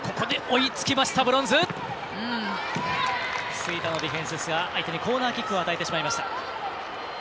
杉田のディフェンスですが相手にコーナーキックを与えてしまいました。